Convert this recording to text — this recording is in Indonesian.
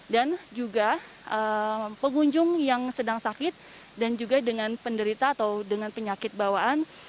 dan juga pengunjung yang sedang sakit dan juga dengan penderita atau dengan penyakit bawaan